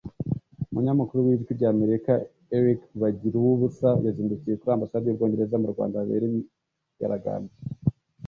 umunyamakuru w’Ijwi ry’Amerika Eric Bagiruwubusa yazindukiye kuri Ambasade y’Ubwongereza mu Rwanda habera imyigaragambyo